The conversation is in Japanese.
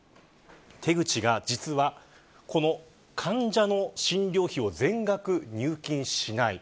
手口が、実はこの患者の診療費を全額入金しない。